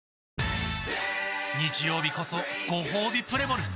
日曜日こそごほうびプレモル！